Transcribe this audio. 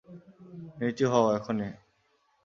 নিচু হও, এখনই!